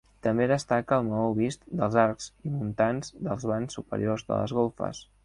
També destaca el maó vist dels arcs i muntants dels vans superiors de les golfes.